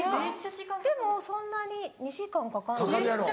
でもそんなに２時間かかんない。